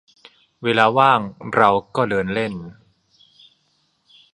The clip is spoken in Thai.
เวลาว่างเราก็เดินเล่น